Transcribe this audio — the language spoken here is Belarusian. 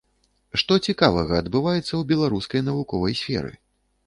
Што цікавага адбываецца ў беларускай навуковай сферы?